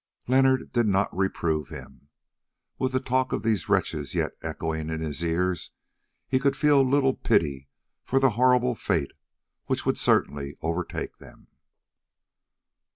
Leonard did not reprove him; with the talk of these wretches yet echoing in his ears he could feel little pity for the horrible fate which would certainly overtake them.